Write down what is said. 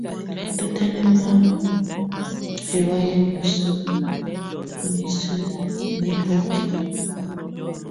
Tu tɛnɛma ɛlɔ̀áyɛ nuɛsɛ bu nisuǝ́ nihóki.